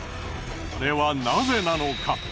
これはなぜなのか。